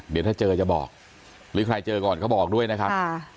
เดี๋ยวถ้าเจอจะบอกหรือใครเจอก่อนเขาบอกด้วยนะครับ